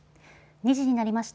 ２時になりました。